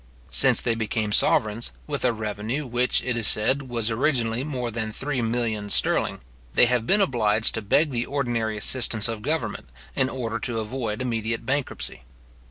Since they became sovereigns, with a revenue which, it is said, was originally more than three millions sterling, they have been obliged to beg the ordinary assistance of government, in order to avoid immediate bankruptcy.